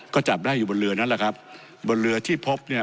ก็จับได้อยู่บนเรือนั่นแหละครับบนเรือที่พบเนี่ย